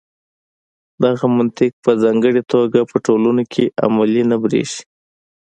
دغه منطق په ځانګړې توګه په ټولنو کې عملي نه برېښي.